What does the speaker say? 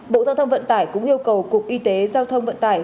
bộ giao thông vận tải cũng yêu cầu cục y tế giao thông vận tải